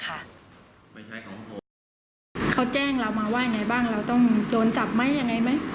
เขาแจ้งเรามาว่าอย่างไรบ้างเราต้องโดนจับไหมยังไงไหม